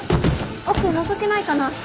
奥のぞけないかな？